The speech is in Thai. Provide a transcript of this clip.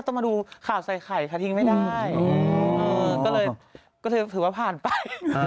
ก็ถือว่าก็ผ่านไป